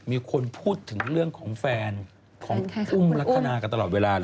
มีคนพูดถึงเรื่องของแฟนของอุ้มลักษณะกันตลอดเวลา